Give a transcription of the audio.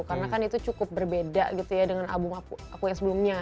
karena kan itu cukup berbeda gitu ya dengan album aku yang sebelumnya